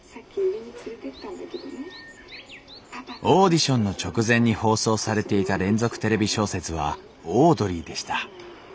オーディションの直前に放送されていた「連続テレビ小説」は「オードリー」でした。